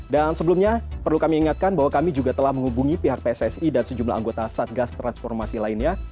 dan sebelumnya perlu kami ingatkan bahwa kami juga telah menghubungi pihak pssi dan sejumlah anggota satgas transformasi lainnya